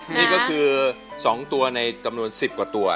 นี่ก็คือ๒ตัวในจำนวน๑๐กว่าตัว